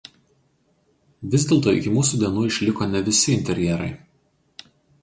Vis dėlto iki mūsų dienų išliko ne visi interjerai.